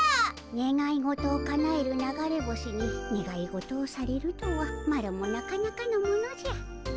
ねがい事をかなえる流れ星にねがい事をされるとはマロもなかなかのものじゃ。